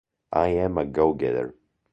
I am a go-getter.